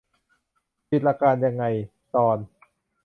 ผิดหลักการยังไง ? ตอน